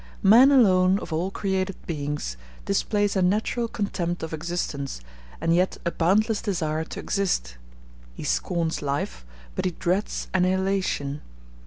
Man alone, of all created beings, displays a natural contempt of existence, and yet a boundless desire to exist; he scorns life, but he dreads annihilation.